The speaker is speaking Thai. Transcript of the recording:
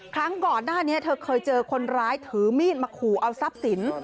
ครั้งก่อนหน้านี้เธอเคยเจอคนร้ายถือมีดมาขู่เอาทรัพย์สิน